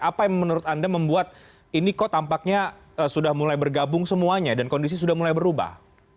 apa yang menurut anda membuat ini kok tampaknya sudah mulai bergabung semuanya dan kondisi sudah mulai berubah